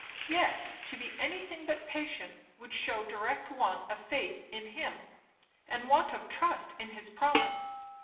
Yes, to be anything but patient would shew direct want of faith in him and want of trust in his promise.